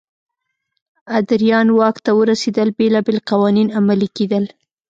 ادریان واک ته ورسېدل بېلابېل قوانین عملي کېدل.